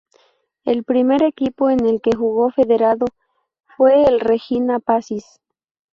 El primer equipo en el que jugó federado fue el Regina Pacis.